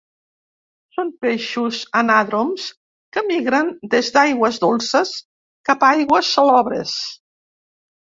Són peixos anàdroms que migren des d'aigües dolces cap a aigües salobres.